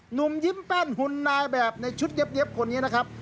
หนุ่มยิ้มแป้นหุ่นนายแบบในชุดเย็บคนนี้นะครับ